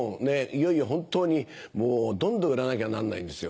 いよいよ本当にどんどん売らなきゃなんないんですよ。